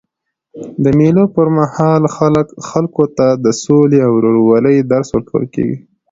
د مېلو پر مهال خلکو ته د سولي او ورورولۍ درس ورکول کېږي.